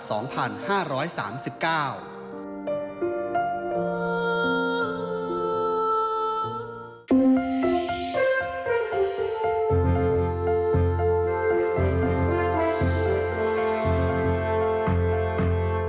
ทรงครองราชธานในพิธีกาญจนาพิเศษทรงครองราชครบ๕๐ปี